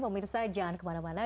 pemirsa jangan kemana mana